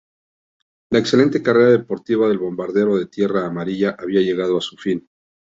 La excelente carrera deportiva del "Bombardero de Tierra Amarilla" había llegado a su fin.